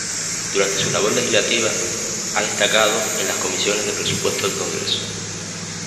Durante su labor legislativa se ha destacado en las Comisiones de Presupuesto del Congreso.